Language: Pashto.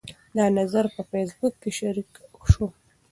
دا نظر په فیسبوک کې شریک شو.